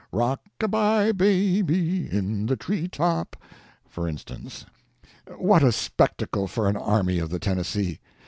— Rock a by Baby in the Tree top, for instance. What a spectacle for an Army of the Tennessee!